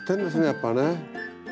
やっぱね。